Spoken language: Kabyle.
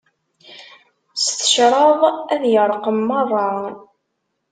S tecraḍ ad irqem merra.